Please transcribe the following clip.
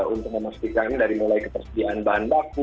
untuk memastikan dari mulai ketersediaan bahan baku